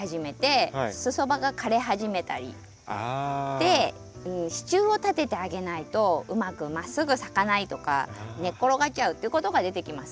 で支柱を立ててあげないとうまくまっすぐ咲かないとか寝っ転がっちゃうっていうことが出てきます。